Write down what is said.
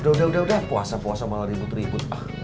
udah udah udah puasa puasa malah ribut ribut